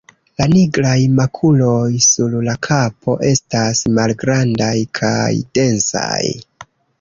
La nigraj makuloj sur la kapo estas malgrandaj kaj densaj.